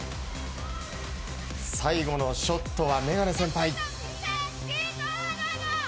最後のショットはメガネ先輩。